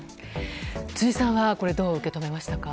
辻さんは、これどう受け止めましたか？